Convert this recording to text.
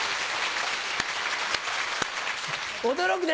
驚くね